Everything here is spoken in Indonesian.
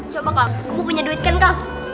coba kak kamu punya duit kan kak